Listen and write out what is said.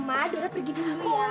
mama dora pergi dulu ya